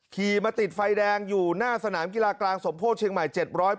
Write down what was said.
ขี่มาติดไฟแดงอยู่หน้าสนามกีฬากลางสมโพธิเชียงใหม่๗๘